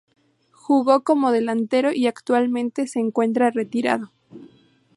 Jugó como delantero y actualmente se encuentra retirado.